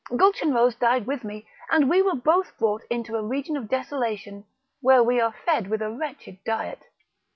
Gulchenrouz died with me, and we were both brought into a region of desolation, where we are fed with a wretched diet.